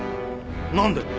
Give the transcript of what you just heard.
何で！？